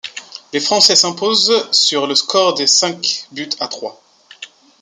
Les Français s'imposent sur le score de cinq buts à trois.